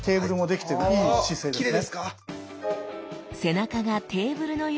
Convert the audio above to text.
きれいですか？